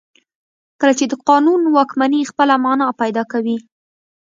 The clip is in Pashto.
کله چې د قانون واکمني خپله معنا پیدا کوي.